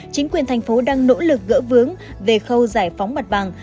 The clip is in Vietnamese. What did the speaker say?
chính quyền thành phố đang nỗ lực gỡ vướng về khâu giải phóng mặt bằng